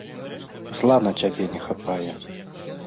Зла на цябе не хапае.